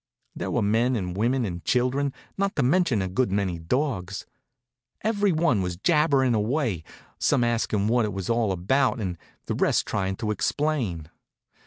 There was men and women and children, not to mention a good many dogs. Every one was jabberin' away, some askin' what it was all about and the rest tryin' to explain.